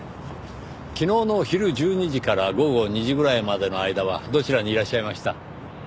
昨日の昼１２時から午後２時ぐらいまでの間はどちらにいらっしゃいました？